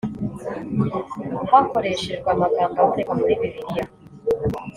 Hakoreshejwe amagambo aboneka muri bibiliya